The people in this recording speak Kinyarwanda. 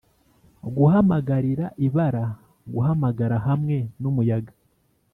guhamagarira ibara guhamagara hamwe numuyaga